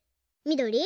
みどり？